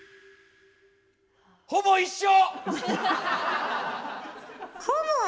「ほぼ一緒」？